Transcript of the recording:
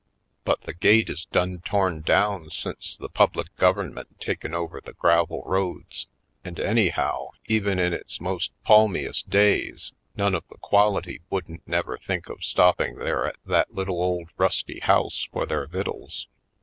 But the gate is done torn down since the public govern ment taken over the gravel roads, and any how, even in its most palmiest days, none of the quality wouldn't never think of stopping there at that little old rusty house for their vittles.